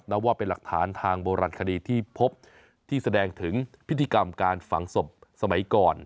นับว่าเป็นหลักฐานทางโบราณคดีที่พบที่แสดงถึงพิธีกรรมการฝังศพสมัยก่อน